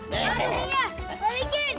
hah ini dia balikin